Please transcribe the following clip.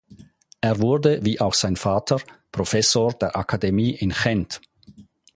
Er wurde wie auch sein Vater Professor der Akademie in Gent.